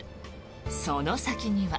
その先には。